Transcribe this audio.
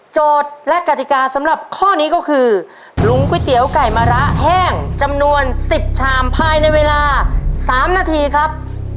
และกติกาสำหรับข้อนี้ก็คือหลุมก๋วยเตี๋ยวไก่มะระแห้งจำนวน๑๐ชามภายในเวลา๓นาทีครับ